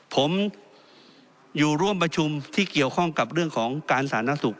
ผมอยู่ร่วมประชุมที่เกี่ยวข้องกับเรื่องของการสาธารณสุข